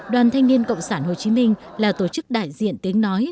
đoàn thanh niên cộng sản hồ chí minh là tổ chức đại diện tiếng nói